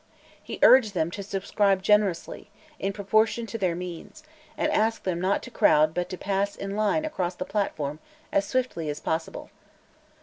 He urged them to subscribe generously, in proportion to their means, and asked them not to crowd but to pass in line across the platform as swiftly as possible.